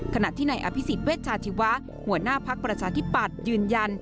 ขณะที่นายอภิษฎเวชาชีวะหัวหน้าภักดิ์ประชาธิปัตย์ยืนยัน